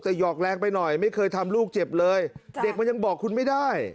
แต่หยอกแรงไปหน่อยไม่เคยทำลูกเจ็บเลยเด็กมันยังบอกคุณไม่ได้